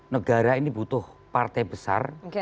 negara ini butuh partai besar